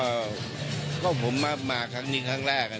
อันนี้จะต้องจับเบอร์เพื่อที่จะแข่งแข่งกันแล้วคุณละครับ